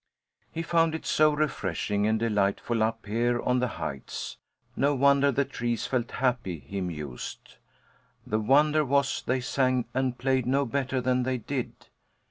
He found it so refreshing and delightful up here on the heights. No wonder the trees felt happy, he mused. The wonder was they sang and played no better than they did.